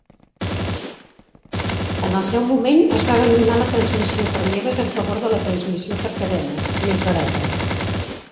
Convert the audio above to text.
En el seu moment, es va abandonar la transmissió per lleves en favor de la transmissió per cadena, més barata.